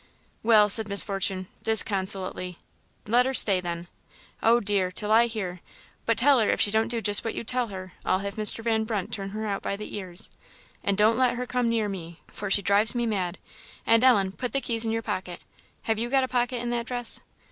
"Well," said Miss Fortune, disconsolately, "let her stay, then. O, dear, to lie here! but tell her if she don't do just what you tell her, I'll have Mr. Van Brunt turn her out by the ears. And don't let her come near me, for she drives me mad. And, Ellen, put the keys in your pocket. Have you got a pocket in that dress?"